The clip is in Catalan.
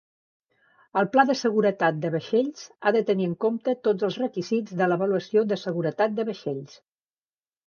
El pla de seguretat de vaixells ha de tenir en compte tots els requisits de l'avaluació de seguretat de vaixells.